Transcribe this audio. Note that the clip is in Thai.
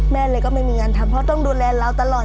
แม่เลยก็ไม่มีงานทำเพราะต้องดูแลเราตลอด